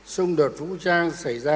xung đột vũ trang xảy ra